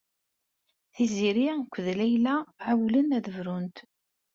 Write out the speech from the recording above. Tiziri akked Layla ɛewwlen ad brunt.